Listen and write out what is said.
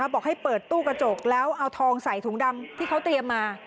บอกให้เปิดตู้กระจกแล้วเอาทองใส่ถุงดำที่เขาเตรียมมา